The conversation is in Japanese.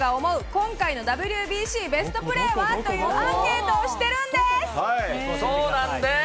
今回のＷＢＣベストプレーはというアンケートをしてそうなんです。